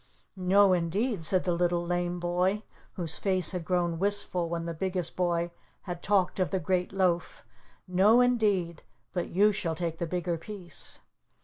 "No, indeed," said the Little Lame Boy, whose face had grown wistful when the Biggest Boy had talked of the great loaf. "No, indeed, but you shall take the bigger piece."